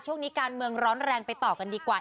ช่วงนี้การเมืองร้อนแรงไปต่อกันดีกว่า